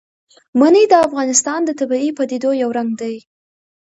منی د افغانستان د طبیعي پدیدو یو رنګ دی.